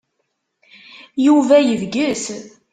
Yuba yebges.